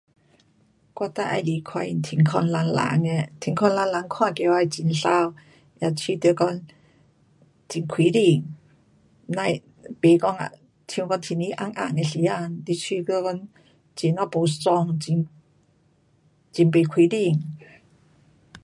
我最喜欢看见天空蓝蓝的，天空蓝蓝看起来很美，也觉得讲很开心。别，甭讲像讲天气暗暗的时间，你觉得讲很呀不爽，很不开心。